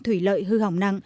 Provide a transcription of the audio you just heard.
thủy lợi hư hỏng nặng